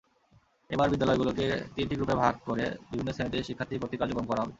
এবারও বিদ্যালয়গুলোকে তিনটি গ্রুপে ভাগ করে বিভিন্ন শ্রেণিতে শিক্ষার্থী ভর্তি কার্যক্রম করা হবে।